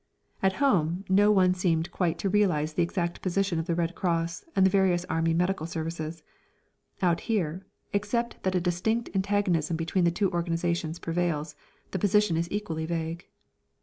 At home no one seemed quite to realise the exact position of the Red Cross and the various Army medical services. Out here, except that a distinct antagonism between the two organisations prevails, the position is equally vague.